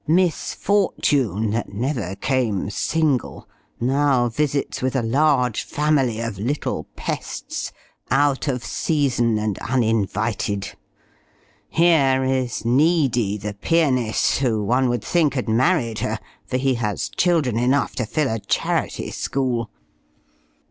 Miss Fortune, that never came single, now visits with a large family of little pests out of season and uninvited! Here is Needy, the pianist, who, one would think, had married her; for he has children enough to fill a charity school.